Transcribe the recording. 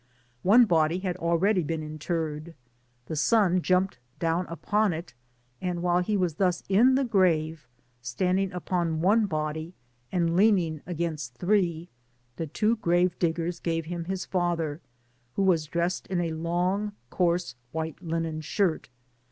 One body had already been interred ; the son jumped down upon it, and while he was thus in the grave, standing upon one body and leaning against three, the two grave diggers gave liim his father, who was dressed in a long, coarse, white linen shirt.